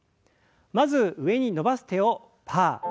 まず上に伸ばす手をパー。